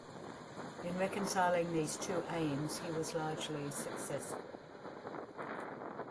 In reconciling these two aims he was largely successful.